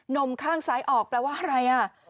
นมข้างซ้ายออกแปลว่าอะไรอ่ะ